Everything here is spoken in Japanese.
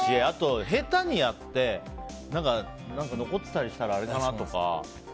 あと、下手にやって残ってたりしたらあれかなとか。